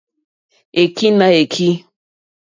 Èkí nà èkí.